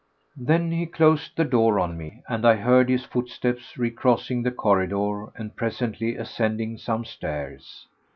Then he closed the door on me, and I heard his footsteps recrossing the corridor and presently ascending some stairs.